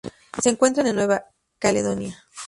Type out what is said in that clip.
Se encuentran en Nueva Caledonia.